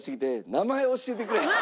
「名前教えてくれ」って。